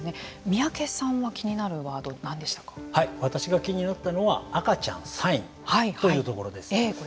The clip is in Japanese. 三宅さんは気になるワードは私が気になったのは「赤ちゃん−サイン」というところです。